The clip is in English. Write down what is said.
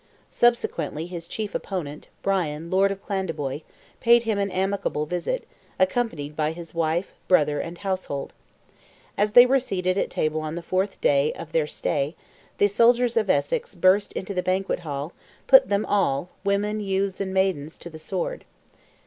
Subsequently his chief opponent, Brian, lord of Clandeboy, paid him an amicable visit, accompanied by his wife, brother, and household. As they were seated at table on the fourth day of their stay, the soldiers of Essex burst into the banquet hall, put them all, "women, youths and maidens," to the sword.